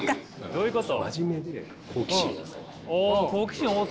どういうこと？